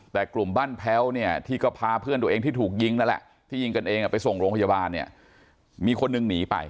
แต่กลุ่มบ้านแพ้วเนี่ยที่ก็พาเพื่อนตัวเองที่ถูกยิงนั่นแหละที่ยิงกันเองไปส่งโรงพยาบาลเนี่ยมีคนหนึ่งหนีไป